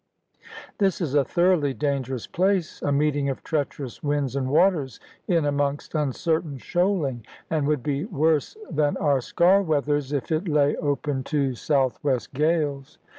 This is a thoroughly dangerous place, a meeting of treacherous winds and waters, in amongst uncertain shoaling, and would be worse than our Sker weathers if it lay open to south west gales.